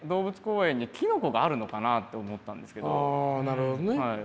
ああなるほどね。